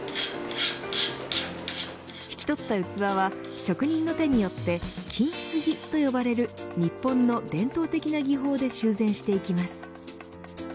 引き取った器は職人の手によって金継ぎと呼ばれる日本の伝統的な技法で修繕してきます。